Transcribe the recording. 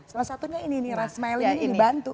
salah satunya ini nih rasmiling ini dibantu